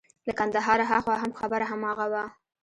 له کندهاره هاخوا هم خبره هماغه وه.